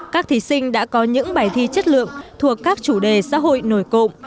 các thí sinh đã có những bài thi chất lượng thuộc các chủ đề xã hội nổi cộng